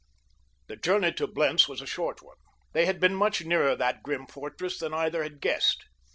The journey to Blentz was a short one. They had been much nearer that grim fortress than either had guessed.